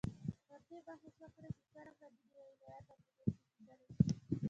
او پر دې بحث وکړي چې څرنګه د دې ایالت امنیت ټینګیدلی شي